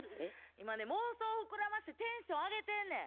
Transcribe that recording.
今ね妄想膨らましてテンション上げてんねん。